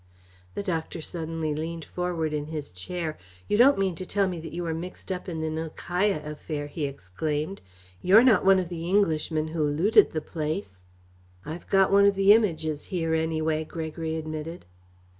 The doctor suddenly leaned forward in his chair. "You don't mean to tell me that you were mixed up in the Nilkaya affair?" he exclaimed. "You're not one of the Englishmen who looted the place?" "I've got one of the Images here, anyway," Gregory admitted.